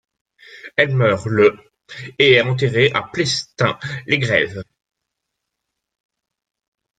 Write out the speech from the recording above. Elle meurt le et est enterrée à Plestin-les-Grèves.